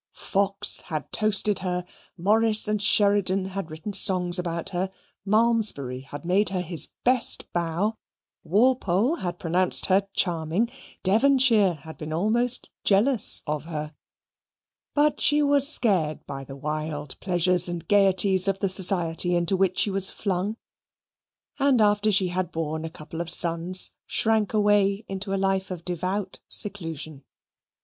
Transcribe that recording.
Fox had toasted her. Morris and Sheridan had written songs about her. Malmesbury had made her his best bow; Walpole had pronounced her charming; Devonshire had been almost jealous of her; but she was scared by the wild pleasures and gaieties of the society into which she was flung, and after she had borne a couple of sons, shrank away into a life of devout seclusion.